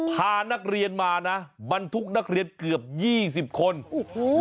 พานักเรียนมานะบันทุกนักเรียนเกือบ๒๐คนพานักเรียนมานะบันทุกนักเรียนเกือบ๒๐คน